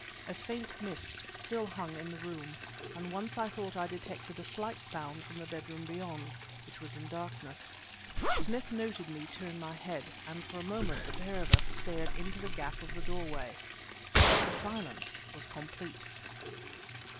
A faint mist still hung in the room, and once I thought I detected a slight sound from the bedroom beyond, which was in darkness. Smith noted me turn my head, and for a moment the pair of us stared into the gap of the doorway. But the silence was complete.